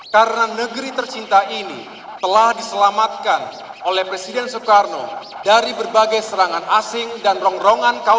karena negeri tercinta ini telah diselamatkan oleh presiden soekarno dari berbagai serangan asing dan terkenal